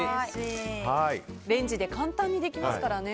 レンジで簡単にできますからね。